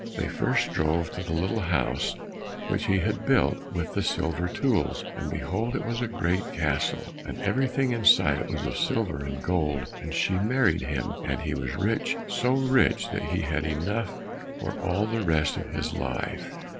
They first drove to the little house which he had built with the silver tools, and behold it was a great castle, and everything inside it was of silver and gold; and then she married him, and he was rich, so rich that he had enough for all the rest of his life.